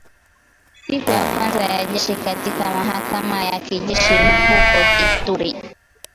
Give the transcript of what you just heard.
Siku ya kwanza ya kesi katika mahakama ya kijeshi huko Ituri